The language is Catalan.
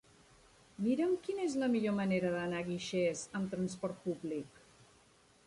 Mira'm quina és la millor manera d'anar a Guixers amb trasport públic.